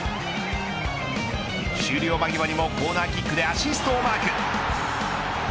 終了間際にもコーナーキックでアシストをマーク。